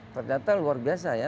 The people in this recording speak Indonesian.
ternyata luar biasa ya